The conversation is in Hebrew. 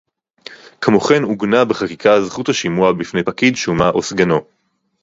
כמו כן עוגנה בחקיקה זכות השימוע בפני פקיד שומה או סגנו